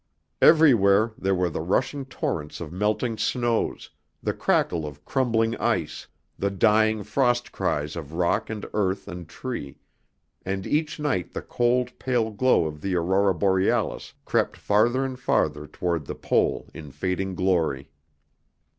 Everywhere there were the rushing torrents of melting snows, the crackle of crumbling ice, the dying frost cries of rock and earth and tree, and each night the cold, pale glow of the Aurora Borealis crept farther and farther toward the Pole in fading glory.